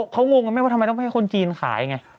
เขางงไหมว่าทำไมต้องให้คนจีนขายไง